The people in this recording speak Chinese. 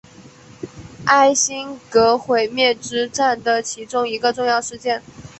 艾辛格毁灭之战的其中一个重要事件。